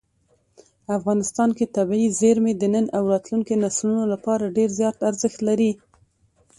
افغانستان کې طبیعي زیرمې د نن او راتلونکي نسلونو لپاره ډېر زیات ارزښت لري.